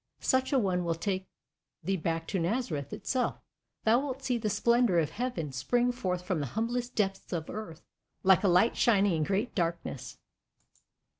Such a one will take thee back to Nazareth itself; thou wilt see the splendour of Heaven spring forth from the humblest depths of Earth, like a light shining in great darkness.